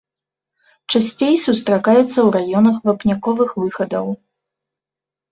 Часцей сустракаецца ў раёнах вапняковых выхадаў.